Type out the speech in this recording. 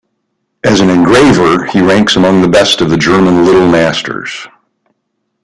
As an engraver, he ranks among the best of the German "Little Masters".